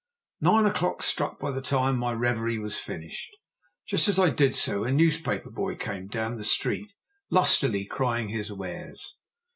Nine o'clock struck by the time my reverie was finished. Just as I did so a newspaper boy came down the street lustily crying his wares.